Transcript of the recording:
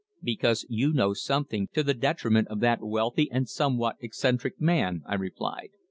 "Because you know something to the detriment of that wealthy and somewhat eccentric man," I replied.